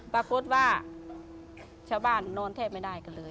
ปรากฏว่าชาวบ้านนอนแทบไม่ได้กันเลย